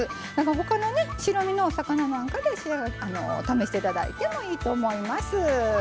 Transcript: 他のね白身のお魚なんかで試して頂いてもいいと思います。